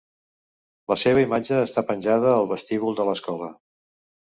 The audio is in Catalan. La seva imatge està penjada al vestíbul de l'escola.